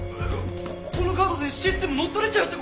こここのカードでシステム乗っ取れちゃうって事！？